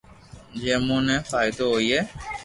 جو امو نو فائدو ھوئي